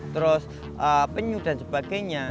kemudian penyuh dan sebagainya